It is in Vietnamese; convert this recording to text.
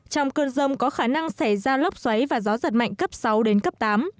trong cơn rông có khả năng xảy ra lốc xoáy và gió giật mạnh cấp sáu đến cấp tám